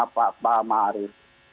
pak pak ma arief